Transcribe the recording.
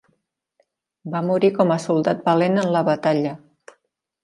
Va morir com a soldat valent en la batalla.